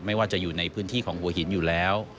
ไม่ว่าจะอยู่ในพื้นที่ของหัวหินอยู่แล้ว